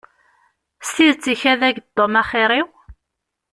S tidet ikad-am-d Tom axir-iw?